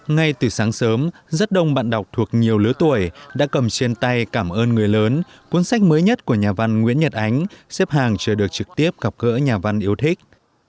ngay từ sáng sớm rất đông bạn đọc thuộc nhiều lứa tuổi đã cầm trên tay cảm ơn người lớn cuốn sách mới nhất của nhà văn nguyễn nhật ánh xếp hàng chờ được trực tiếp gặp gỡ nhà văn yêu thích